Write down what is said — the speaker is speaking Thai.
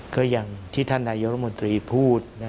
ก็อย่างที่ท่านนายกรมนตรีพูด